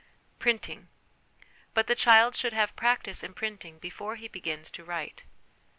Printing. But the child should have practice in printing before he begins to write.